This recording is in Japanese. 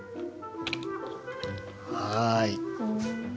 はい。